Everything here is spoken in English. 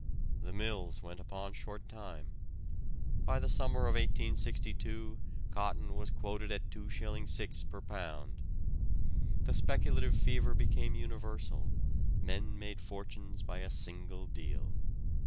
The mills went upon short time. By the summer of 1862 cotton was quoted at 2s 6d per lb. The speculative fever became universal; men made fortunes by a single deal.